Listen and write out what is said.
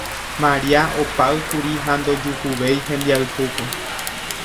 Maria opáykuri ha ndojuhuvéi hembiayhúpe